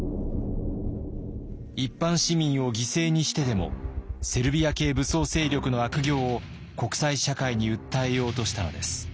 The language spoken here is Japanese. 一般市民を犠牲にしてでもセルビア系武装勢力の悪行を国際社会に訴えようとしたのです。